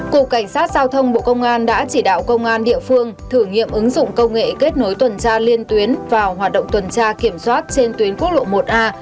cục cảnh sát giao thông bộ công an đã chỉ đạo công an địa phương thử nghiệm ứng dụng công nghệ kết nối tuần tra liên tuyến vào hoạt động tuần tra kiểm soát trên tuyến quốc lộ một a